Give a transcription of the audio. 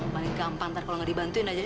mereka gampang ntar kalau gak dibantuin aja